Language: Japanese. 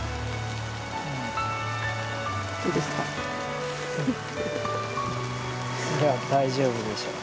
いや大丈夫でしょ。